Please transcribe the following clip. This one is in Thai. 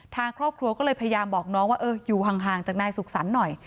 ทางครอบครัวก็เลยพยายามบอกน้องว่าอยู่ห่างจากนายสุขสรรค์หน่อย